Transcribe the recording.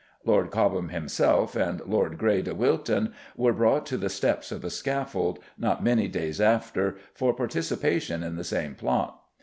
Lord Cobham himself, and Lord Grey de Wilton, were brought to the steps of the scaffold not many days after, for participation in the same plot.